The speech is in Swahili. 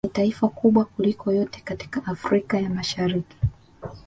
Ni taifa kubwa kuliko yote katika Afrika ya mashariki